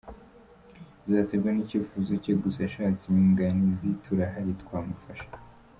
Bizaterwa n’icyifuzo cye gusa ashatse inyunganizi turahari twamufasha.